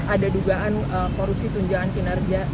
ada dugaan korupsi tunjangan kinerja